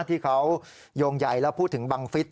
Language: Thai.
ที่เขาโยงใหญ่แล้วพูดถึงบังฟิศ